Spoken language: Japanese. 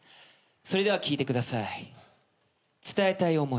それでは聴いてください。